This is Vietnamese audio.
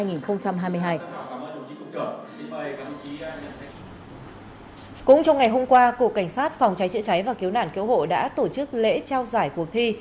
cũng trong ngày hôm qua cục cảnh sát phòng cháy chữa cháy và cứu nạn cứu hộ đã tổ chức lễ trao giải cuộc thi